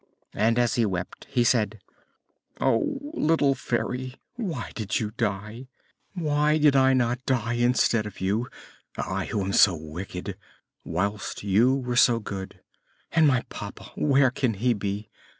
And as he wept he said: "Oh, little Fairy, why did you die? Why did I not die instead of you, I who am so wicked, whilst you were so good? And my papa? Where can he be?